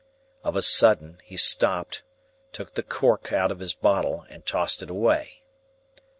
Of a sudden, he stopped, took the cork out of his bottle, and tossed it away.